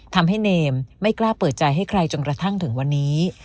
ทำให้เนมไม่กล้าเปิดใจให้ใครจนกระทั่งถึงวันนี้